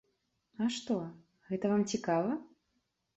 А што, гэта вам цікава?